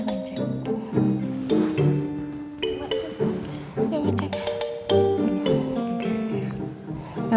bapak mau ngecek